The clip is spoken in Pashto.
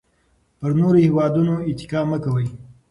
پر نورو هېوادونو اتکا مه کوئ.